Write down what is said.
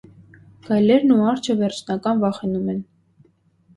Գայլերն ու արջը վերջնական վախենում են։